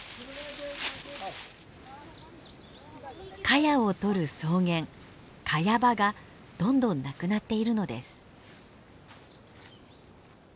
カヤをとる草原カヤ場がどんどんなくなっているのです。